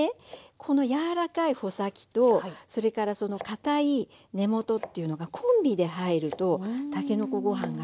この柔らかい穂先とそれからかたい根元というのがコンビで入るとたけのこご飯がね